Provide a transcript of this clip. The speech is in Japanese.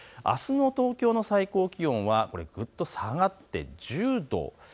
あすの東京の最高気温はぐっと下がって１０度。